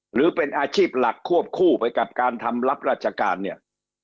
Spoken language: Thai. หรือเป็นอาชีพหลักควบคู่ไปกับการทำรับราชการเนี่ย